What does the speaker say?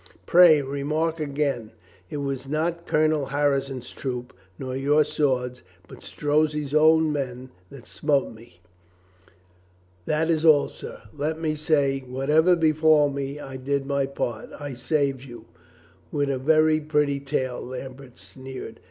Pray, remark again, it was not Colonel Harrison's troop, nor your swords, but Strozzi's own men, that smote me. That ROYSTON DELIVERS HIS SOUL 429 is all, sir. Let me say, whatever befall me, I did my part. I saved you." "With a very pretty tale," Lambert sneered.